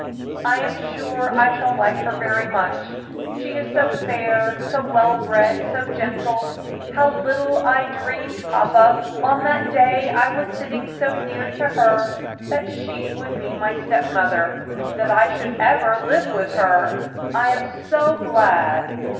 "I am sure I shall like her very much; she is so fair, so well bred, so gentle. How little I dreamed, papa, on that day I was sitting so near to her, that she would be my step mother that I should ever live with her. I am so glad!"